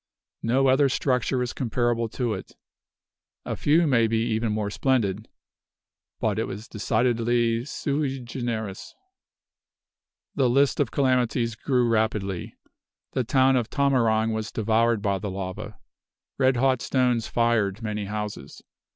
No other structure is comparable to it. A few may be even more splendid; but it was decidedly sui generis. The list of calamities grew rapidly. The town of Tamarang was devoured by the lava. Red hot stones fired many houses.